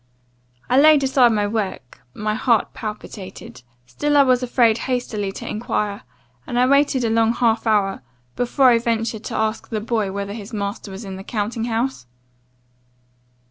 I laid aside my work; my heart palpitated; still I was afraid hastily to enquire; and I waited a long half hour, before I ventured to ask the boy whether his master was in the counting house?